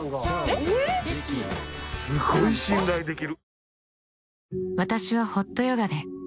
すごい信頼できる。